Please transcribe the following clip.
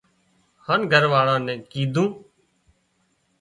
هانَ گھر واۯي نين ڪيڌون